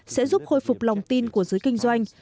sẽ giúp khôi phục lòng tin của giới kinh doanh